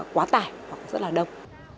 quá tài hoặc rất là đông